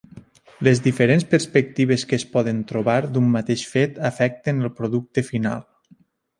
Les diferents perspectives que es poden trobar d'un mateix fet afecten el producte final.